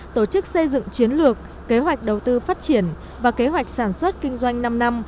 tổ chức xây dựng chiến lược kế hoạch đầu tư phát triển và kế hoạch sản xuất kinh doanh năm năm